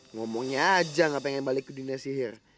ngomongnya aja gak pengen balik ke dunia sihir